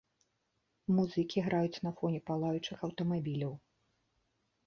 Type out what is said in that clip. Музыкі граюць на фоне палаючых аўтамабіляў.